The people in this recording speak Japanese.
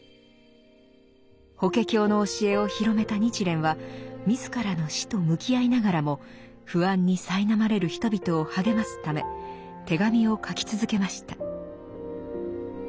「法華経」の教えを広めた日蓮は自らの死と向き合いながらも不安にさいなまれる人々を励ますため手紙を書き続けました。